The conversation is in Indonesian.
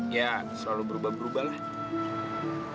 ya selalu berubah berubah lah